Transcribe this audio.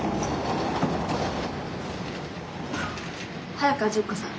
早川順子さん